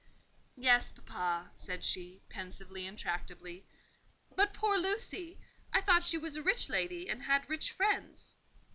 "Yes, papa," said she, pensively and tractably. "But poor Lucy! I thought she was a rich lady, and had rich friends."